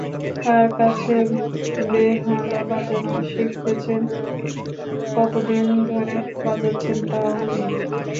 কার কাছে বেহালা বাজানো শিখেছেন, কতদিন ধরে বাজাচ্ছেন তাও নেই।